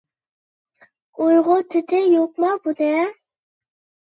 ئۇيغۇرچىسى يوقما بۇنىڭ؟